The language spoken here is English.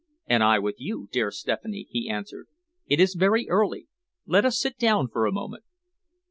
"And I with you, dear Stephanie," he answered. "It is very early. Let us sit down for a moment."